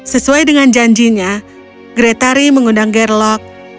sesuai dengan janjinya gretari mengundang gerlok